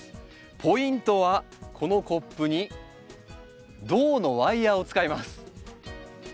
ポイントはこのコップに銅のワイヤーを使います。